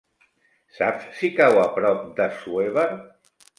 Saps si cau a prop d'Assuévar?